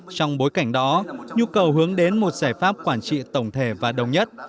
trong bối cảnh đó nhu cầu hướng đến một giải pháp quản trị tổng thể và đồng nhất